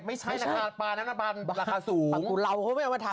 ไม่ใช่นะคะปลาน้ำน้ำบันราคาสูงปลากุราวเขาไม่เอามาทำ